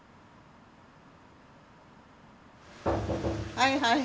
はいはい。